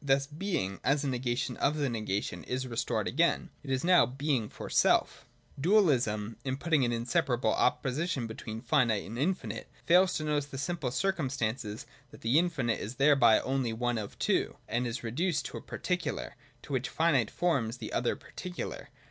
Thus Being, but as negation of the negation, is restored again : it is now Being for sel£] Dualism, in putting an insuperable opposition be tween finite and infinite, fails to note the simple circum stance that the infinite is thereby only one of two, and is reduced to a particular, to which the finite forms the 95 ,j FINITE AND INFINITE. 1 77 Other particular.